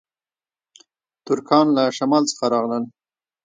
ترکان له شمال څخه راغلل